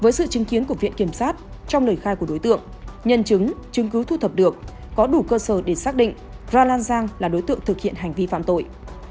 với sự chứng kiến của viện kiểm sát trong lời khai của đối tượng nhân chứng chứng cứ thu thập được có đủ cơ sở để xác định ra lan giang là đối tượng thực hiện hành vi phạm tội